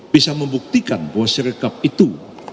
bisa membuktikan bahwa sikap itu